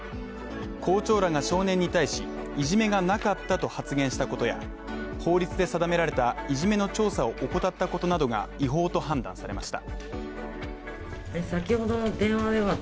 校長らが少年に対し、いじめがなかったと発言したことや、法律で定められたいじめの調査を怠ったことなどが違法と判断されました。